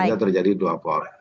sehingga terjadi dua poros